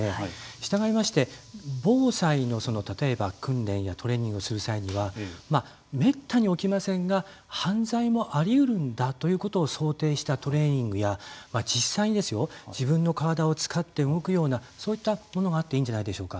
したがいまして、防災の訓練やトレーニングをする際にはめったに起きませんが犯罪もあり得るんだということを想定したトレーニングや実際にですよ自分の体を使って動くようなそういったものがあっていいんじゃないでしょうか。